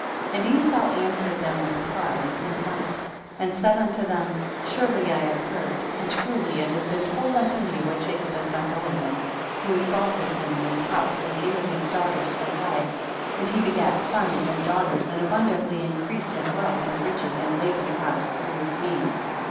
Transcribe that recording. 9. And Esau answered thcni with pride and contem})t, and said unto them, surely I have heard and truly it lias been told unto me what Jacob has done to Laban, who exalted him in his house and gave him his daugh ters for wives, and he begat sons and daughters, and abundantly increased in wealth and riches in Laban's house through his means.